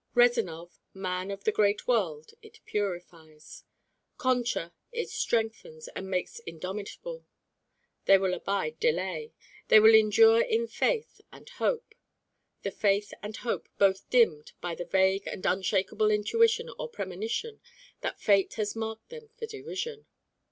Rezanov, man of the great world, it purifies. Concha it strengthens and makes indomitable. They will abide delay. They will endure in faith and hope the faith and hope both dimmed by the vague and unshakable intuition or premonition that fate has marked them for derision.